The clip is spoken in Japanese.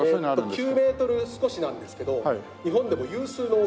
９メートル少しなんですけど日本でも有数の大きさですね。